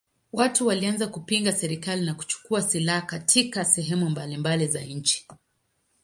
Watu walianza kupinga serikali na kuchukua silaha katika sehemu mbalimbali za nchi.